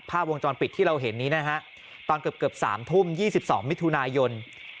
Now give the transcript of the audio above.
ภาพวงจรปิดที่เราเห็นนี้นะฮะตอนเกือบ๓ทุ่ม๒๒มิถุนายน